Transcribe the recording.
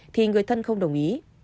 thì người thân không đồng ý